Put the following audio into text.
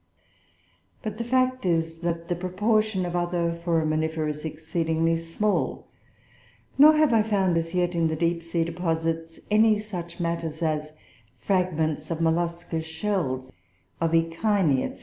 But the fact is that the proportion of other Foraminifera is exceedingly small, nor have I found as yet, in the deep sea deposits, any such matters as fragments of molluscous shells, of Echini, &c.